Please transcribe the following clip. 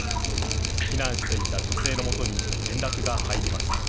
避難していた女性のもとに連絡が入りました。